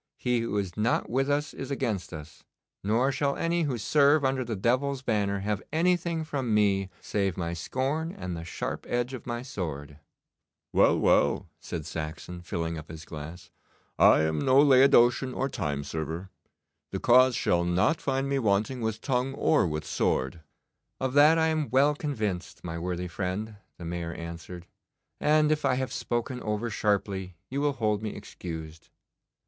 He who is not with us is against us, nor shall any who serve under the devil's banner have anything from me save my scorn and the sharp edge of my sword.' 'Well, well,' said Saxon, filling up his glass, 'I am no Laodicean or time server. The cause shall not find me wanting with tongue or with sword.' 'Of that I am well convinced, my worthy friend,' the Mayor answered, 'and if I have spoken over sharply you will hold me excused.